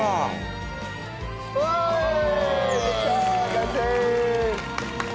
完成。